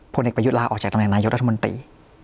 พวกนี้ไปยุทธ์ล่าออกจากตำแหน่งนายทรัฐมนตรี